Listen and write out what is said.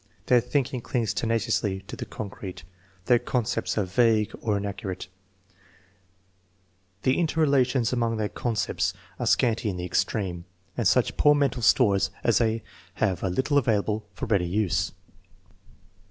Their think ing clings tenaciously to the concrete; their concepts are vague or inaccurate; the interrelations among their concepts 344 THE MEASUREMENT OF INTELLIGENCE are scanty in the extreme; and such poor mental stores as they have are little available for ready use.